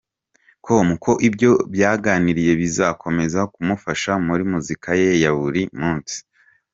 com ko ibyo baganiriye bizakomeza kumufasha muri muzika ye ya buri munsi.